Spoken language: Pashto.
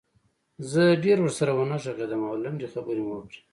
زه ډېر ورسره ونه غږېدم او لنډې خبرې مې وکړې